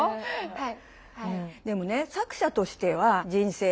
はい。